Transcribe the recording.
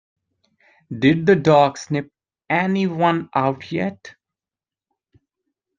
Did the dog sniff anyone out yet?